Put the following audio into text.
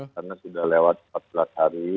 karena sudah lewat empat belas hari